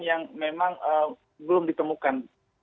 yang memang belum ditemukan